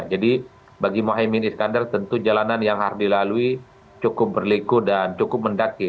jadi bagi mohaimin iskandar tentu jalanan yang hardi lalui cukup berliku dan cukup mendaki